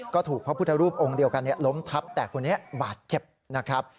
ก็ถูกพระพุทธรูปองค์เดียวกันล้มทับแต่คนนี้บาดเจ็บนะครับ